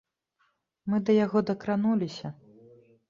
Мы да яго дакрануліся!